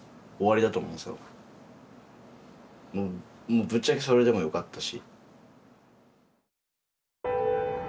もうぶっちゃけそれでもよかったし。